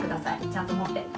ちゃんともって。